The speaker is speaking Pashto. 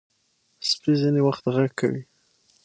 سپي ځینې وخت غږ کوي.